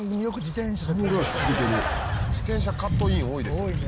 「自転車カットイン多いですね」